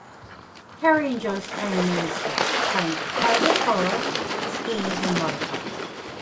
Harry enjoys playing many sports, playing competitive polo, skiing, and motocross.